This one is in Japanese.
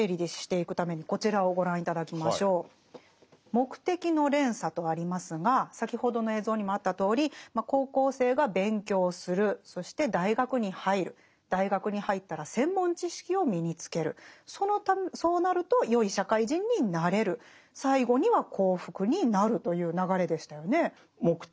「目的の連鎖」とありますが先ほどの映像にもあったとおり高校生が勉強するそして大学に入る大学に入ったら専門知識を身につけるそうなるとよい社会人になれる最後には幸福になるという流れでしたよね。